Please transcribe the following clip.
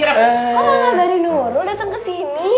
kok bang narji nurul datang ke sini